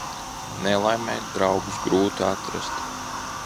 Nelaimē draugus grūti atrast.